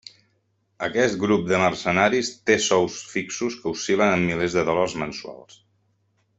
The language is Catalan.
Aquest grup de mercenaris té sous fixos que oscil·len en milers de dòlars mensuals.